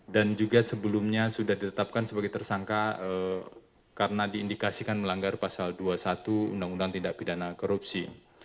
dan juga sebelumnya sudah ditetapkan sebagai tersangka karena diindikasikan melanggar pasal dua satu undang undang tindak pidana korupsi